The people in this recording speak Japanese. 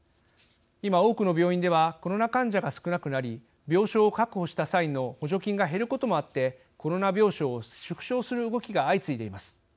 今、多くの病院ではコロナ患者が少なくなり病床を確保した際の補助金が減ることもあってコロナ病床を縮小する動きが相次いでいます。